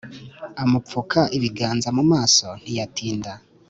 amupfuka ibiganza mumaso, ntiyatinda